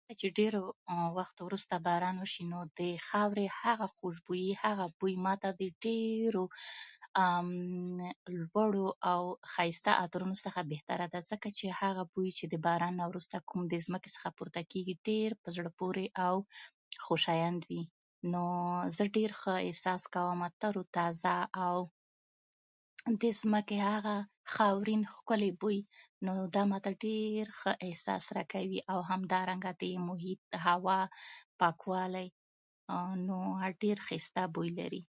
کلي ته لاړم چې کيلي راوړم